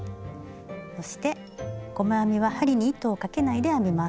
そして細編みは針に糸をかけないで編みます。